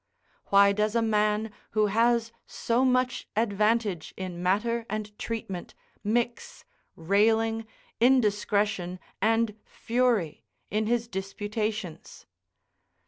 why does a man, who has so much advantage in matter and treatment, mix railing, indiscretion, and fury in his disputations?